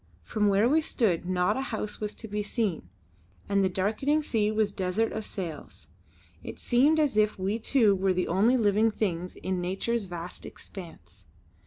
From where we stood not a house was to be seen, and the darkening sea was desert of sails. It seemed as if we two were the only living things in nature's vast expanse.